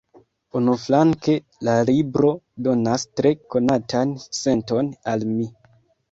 Unuflanke, la libro donas tre konatan senton al mi.